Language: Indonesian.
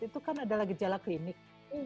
itu kan adalah gejala klinik